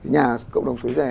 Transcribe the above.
nhà cộng đồng suối rè